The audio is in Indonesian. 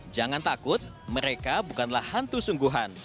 jangan takut mereka bukanlah hantu sungguhan